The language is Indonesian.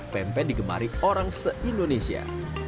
pempek digemari orang se indonesia